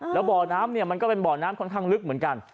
แล้วบ่อน้ำเนี่ยมันก็เป็นบ่อน้ำค่อนข้างลึกเหมือนกัน